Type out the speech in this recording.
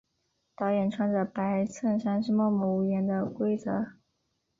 导演穿着白衬衫是默默无言的规则。